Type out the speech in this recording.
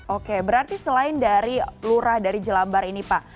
oke berarti selain dari lurah dari jelambar ini pak